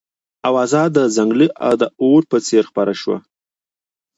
اوازه د ځنګله د اور په څېر خپره شوه.